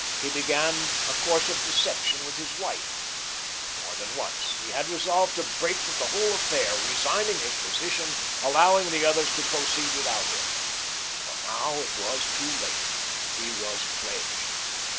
He began a course of deception with his wife. More than once, he had resolved to break with the whole affair, resigning his position, allowing the others to proceed without him. But now it was too late. He was pledged.